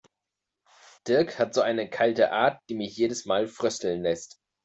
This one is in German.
Dirk hat so eine kalte Art, die mich jedes Mal frösteln lässt.